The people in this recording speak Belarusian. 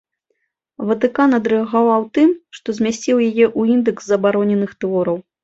Ватыкан адрэагаваў тым, што змясціў яе ў індэкс забароненых твораў.